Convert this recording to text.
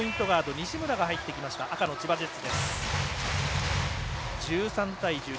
西村が入ってきました赤の千葉ジェッツ。